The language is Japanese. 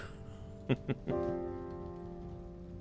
フフフ。